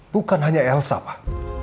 bukan hanya elsa pak